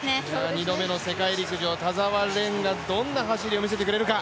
２度目の世界陸上、田澤廉がどんな走りを見せてくれるのか。